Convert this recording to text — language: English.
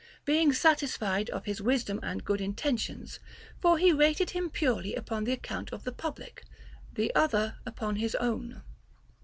* being satisfied of his wisdom and good intentions ; for he rated him purely upon the account of the public, the other upon his own.